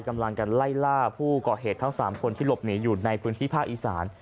กำลังกันไล่ล่าผู้ก่อเหตุทั้ง๓คนที่หลบหนีอยู่ในพื้นที่ภาคอีสาน